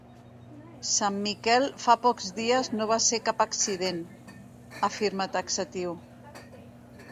Sant Miquel fa pocs dies no va ser cap accident —afirma, taxatiu—.